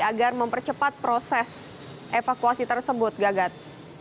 agar mempercepat proses evakuasi tersebut gagat